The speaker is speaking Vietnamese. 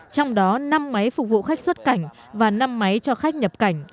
trong đó năm máy phục vụ khách xuất cảnh và năm máy cho khách nhập cảnh